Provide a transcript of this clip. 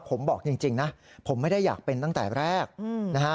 ผมบอกจริงนะผมไม่ได้อยากเป็นตั้งแต่แรกนะฮะ